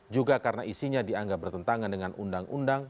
juga karena isinya dianggap bertentangan dengan undang undang